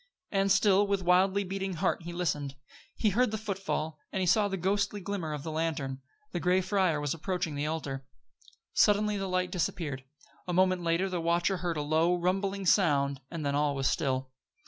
And still, with wildly beating heart, he listened. He heard the footfall, and he saw the ghostly glimmer of the lantern; the gray friar was approaching the altar. Suddenly the light disappeared. A moment later the watcher heard a low, rumbling sound, and then all was still.